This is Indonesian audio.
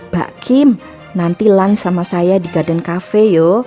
pak kim nanti lan sama saya di garden cafe yuk